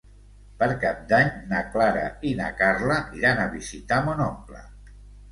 Per Cap d'Any na Clara i na Carla iran a visitar mon oncle.